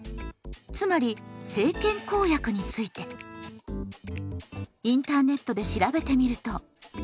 つまり政権公約についてインターネットで調べてみると。